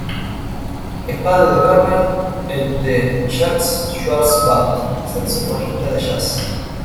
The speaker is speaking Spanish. Es padre de Bernard et de Jacques Schwarz-Bart, saxofonista de jazz.